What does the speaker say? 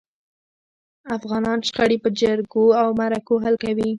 افغانان شخړي په جرګو او مرکو حل کوي.